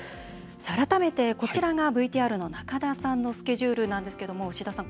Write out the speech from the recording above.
改めてこちらがＶＴＲの仲田さんのスケジュールなんですけども牛田さん